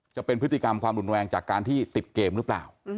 จะเป็นพฤติกรรมความรุนแรงจากการที่ติดเกมหรือเปล่า